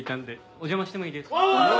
お邪魔してもいいですか？